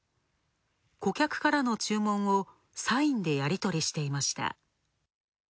顧客からの注文をサインでやりとりしていました。